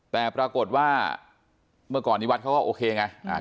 แต่ปรากฏว่าเมื่อก่อนนี้วัดเขาก็โอเคไง